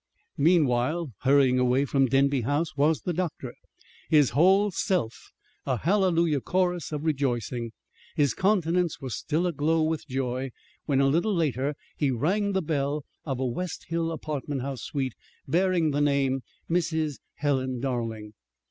Meanwhile, hurrying away from Denby House was the doctor, his whole self a Hallelujah Chorus of rejoicing. His countenance was still aglow with joy when, a little later, he rang the bell of a West Hill apartment house suite bearing the name, "Mrs. Helen Darling."